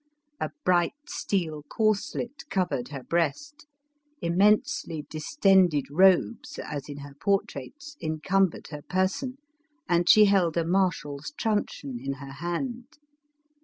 A bright steel corslet covered her breast ; immensely distended robes, as in her portraits, encumbered her person, and she held a marshal's truncheon in her hand.